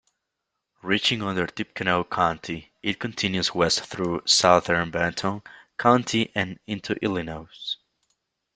Reaching under Tippecanoe County, it continues west through southern Benton County and into Illinois.